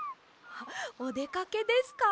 おでかけですか？